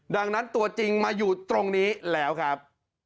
ดังนั้นตัวจริงมาอยู่ตรงนี้แล้วครับ